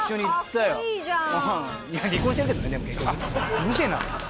うるせえな。